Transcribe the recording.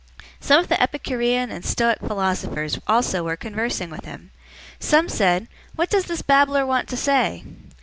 017:018 Some of the Epicurean and Stoic philosophers also{TR omits "also"} were conversing with him. Some said, "What does this babbler want to say?"